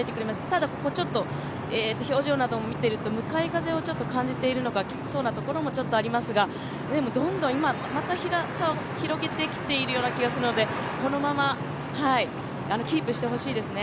ただ表情などを見ていると向かい風を感じているのかきつそうなところもありますが、でも、どんどん今、また差を広げてきているような気がするので、このままキープしてほしいですね。